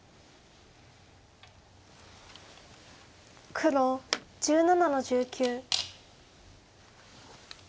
黒１７の十九。